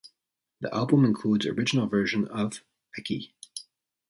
The album includes original version of "Eki".